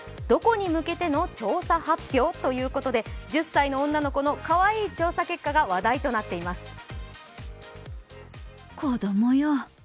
どこに向けての調査発表ということで１０歳の女の子のかわいい調査結果が話題となっています。